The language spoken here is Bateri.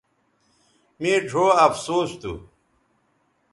مے ڙھؤ افسوس تھو